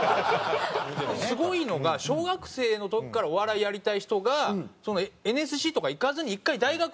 すごいのが小学生の時からお笑いやりたい人がＮＳＣとか行かずに１回大学入るっていうのが。